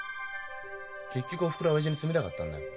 結局おふくろは親父に冷たかったんだよ。